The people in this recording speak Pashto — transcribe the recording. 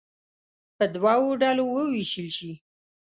په دوو ډلو ووېشل شي.